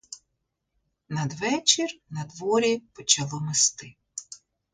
Надвечір надворі почало мести.